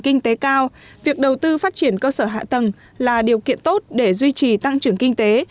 kinh tế cao việc đầu tư phát triển cơ sở hạ tầng là điều kiện tốt để duy trì tăng trưởng kinh tế